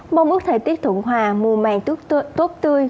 mong ước thời tiết thuận hòa mùa màng tốt tươi